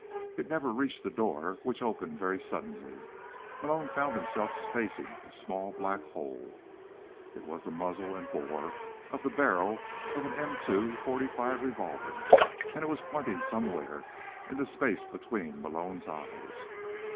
It never reached the door, which opened very suddenly. Malone found himself facing a small black hole. It was the muzzle and the bore of the barrel of an M 2 .45 revolver, and it was pointing somewhere in the space between Malone's eyes.